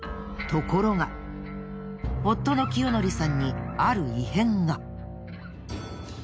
ところが夫の清智さんにある異変が。